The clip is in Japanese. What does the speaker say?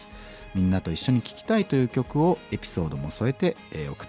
みんなと一緒に聴きたいという曲をエピソードも添えて送って下さい。